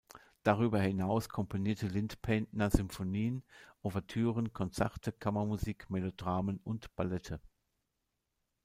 Darüber hinaus komponierte Lindpaintner Symphonien, Ouvertüren, Konzerte, Kammermusik, Melodramen und Ballette.